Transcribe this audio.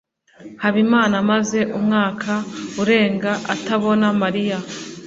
habimana amaze umwaka urenga atabona mariya